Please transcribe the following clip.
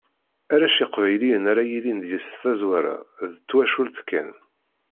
Arrac Iqbayliyen ara yilin deg-s tazwara, d twacult kan.